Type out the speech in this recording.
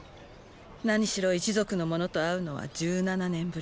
何しろ一族の者と会うのは十七年ぶりだ。